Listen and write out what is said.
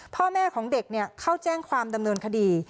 พ่อแม่ของเด็กเข้าแจ้งความดำเนินคดี